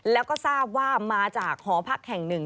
แล้วก็ทราบว่ามาจากหอพักแห่งหนึ่ง